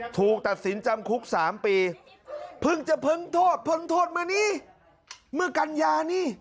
ถูกตัดสินจำคุก๓ปีเพิ่งจะพ้นโทษพ้นโทษมานี่เมื่อกันยานี่